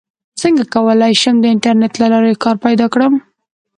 څنګه کولی شم د انټرنیټ له لارې کار پیدا کړم